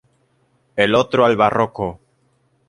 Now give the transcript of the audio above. El otro al barroco.